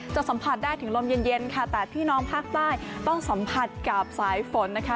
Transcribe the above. สัมผัสได้ถึงลมเย็นเย็นค่ะแต่พี่น้องภาคใต้ต้องสัมผัสกับสายฝนนะคะ